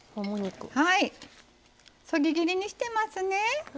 そぎ切りにしてますね。